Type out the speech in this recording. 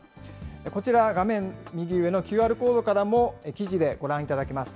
こちら、画面右上のＱＲコードからも記事でご覧いただけます。